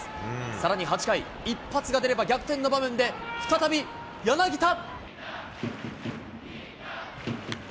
さらに８回、一発が出れば逆転の場面で、再び柳田。